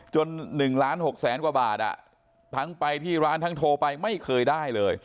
๑ล้าน๖แสนกว่าบาททั้งไปที่ร้านทั้งโทรไปไม่เคยได้เลย